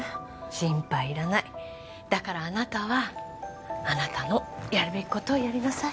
心配いらないだからあなたはあなたのやるべきことをやりなさい